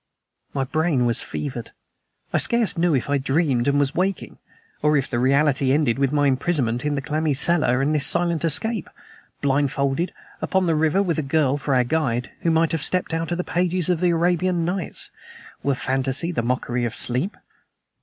My brain was fevered; I scarce knew if I dreamed and was waking, or if the reality ended with my imprisonment in the clammy cellar and this silent escape, blindfolded, upon the river with a girl for our guide who might have stepped out of the pages of "The Arabian Nights" were fantasy the mockery of sleep.